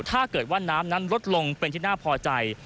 ถ้าเกิดว่าน้ำนั้นลดลงเป็นที่น่าพอใจ